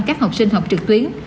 các học sinh học trực tuyến